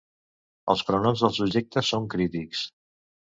Els pronoms del subjecte són crítics.